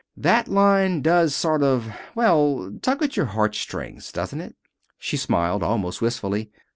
"That line does sort of well, tug at your heart strings, doesn't it?" She smiled, almost wistfully.